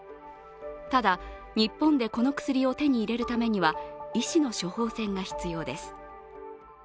ただ、日本でこの薬を手に入れるためには医師の処方箋が必要です。